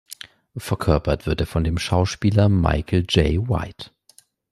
Verkörpert wird er von dem Schauspieler Michael Jai White.